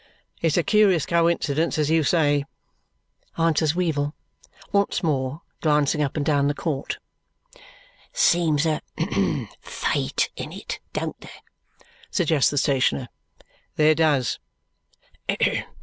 "It's a curious coincidence, as you say," answers Weevle, once more glancing up and down the court. "Seems a fate in it, don't there?" suggests the stationer. "There does."